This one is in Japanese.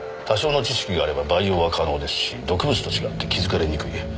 多少の知識があれば培養は可能ですし毒物と違って気づかれにくい。